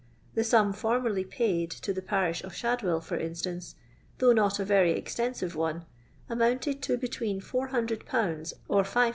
The sum formerly paid to the parish of Shadwell, for instance, though not a rery extensive one, amounted to between 400^ or 6001.